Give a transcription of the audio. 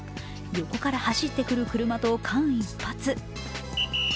横から走ってくる車と間一髪。